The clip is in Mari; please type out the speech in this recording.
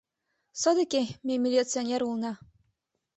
Содыки ме милиционер улына.